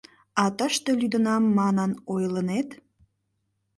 — А тыште лӱдынам манын ойлынет?